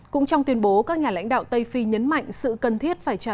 cũng trong tuyên bố các nhà lãnh đạo tây phi nhấn mạnh sự cần thiết phải trả